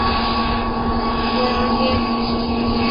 We aniye.